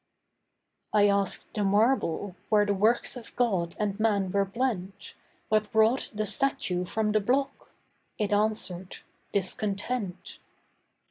I asked the marble, where the works of God and man were blent, What brought the statue from the block. It answered, 'Discontent.